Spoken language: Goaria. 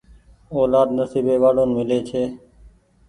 اولآد نسيبي وآڙون ميلي ڇي۔